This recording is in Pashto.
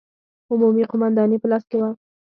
عمومي قومانداني په لاس کې وه.